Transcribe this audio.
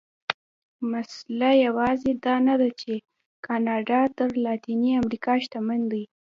مسئله یوازې دا نه ده چې کاناډا تر لاتینې امریکا شتمن دي.